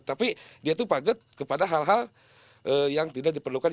tapi dia itu paget kepada hal hal yang tidak diperlukan